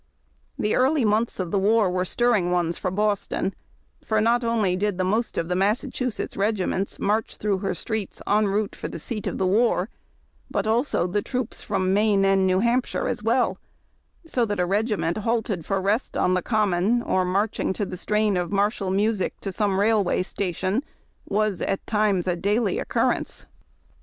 The early months of the war were stirring ones for Boston ; for not only did the most of the Massachusetts regiments march through her streets en route for the seat of war, but also the troops from Maine and New Hampshire as well, so that a regiment halted for rest on the Common, or marching to the strain of martial music to some railway station, was at times a daily occurrence.